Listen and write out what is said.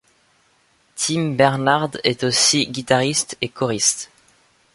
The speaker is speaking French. Tim Bernard est aussi guitariste et choriste.